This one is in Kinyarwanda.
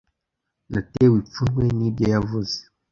Natewe ipfunwe nibyo yavuze.